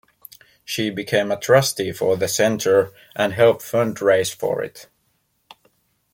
She became a trustee for the centre and helped fundraise for it.